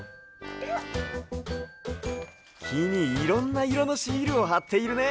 きにいろんないろのシールをはっているね。